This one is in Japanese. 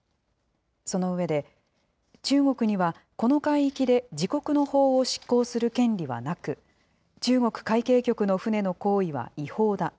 その上で、中国にはこの海域で自国の法を執行する権利はなく、中国海警局の船の行為は違法だ。